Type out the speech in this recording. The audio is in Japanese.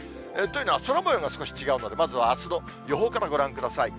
というのは、空もようが少し違うので、まずはあすの予報からご覧ください。